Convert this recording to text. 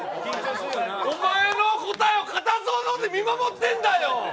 お前の答えを固唾をのんで見守ってんだよ！